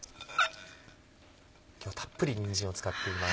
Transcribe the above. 今日はたっぷりにんじんを使っています。